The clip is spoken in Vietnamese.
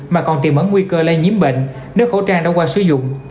mà còn tiềm ấn nguy cơ lây nhiễm bệnh nếu khẩu trang đã qua sử dụng